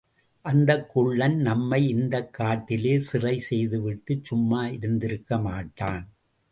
அந்தக் குள்ளன் நம்மை இந்தக் காட்டிலே சிறை செய்துவிட்டுச் சும்மா இருந்திருக்கமாட்டான்.